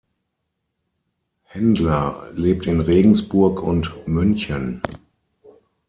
Händler lebt in Regensburg und München.